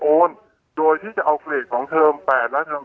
โอลโดยที่จะเอาเทอม๘และเทอม๙